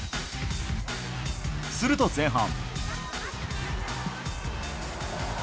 すると前半。